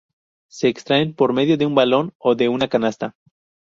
Se extraen por medio de un balón o de una canasta.